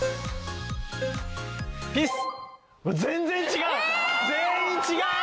全員違う！